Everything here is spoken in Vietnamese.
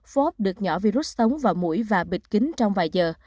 phốp được nhỏ virus sống vào mũi và bịt kính trong vài giờ